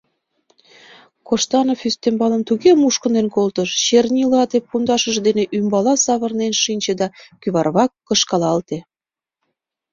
Коштанов ӱстембалым туге мушкынден колтыш — чернилаате пундашыж дене ӱмбала савырнен шинче да кӱварвак кышкалалте.